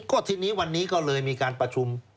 ก็ทีนี้วันนี้ก็เลยมีการประชุม